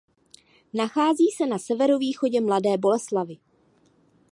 Nachází se na severovýchodě Mladé Boleslavi.